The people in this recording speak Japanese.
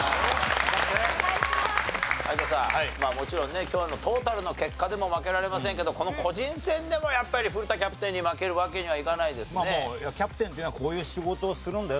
まあもちろんね今日のトータルの結果でも負けられませんけどこの個人戦でもやっぱり古田キャプテンに負けるわけにはいかないですね。っていう事をね